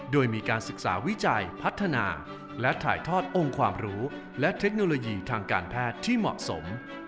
โดยมีการศึกษาวิจัยพัฒนาและถ่ายทอดองค์ความรู้และเทคโนโลยีทางการแพทย์ที่เหมาะสม